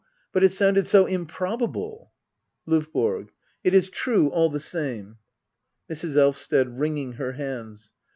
But it sounded so improbable LOVBORO. It is true, all the same. Mrs. Elvsted. [ Wringing her hands.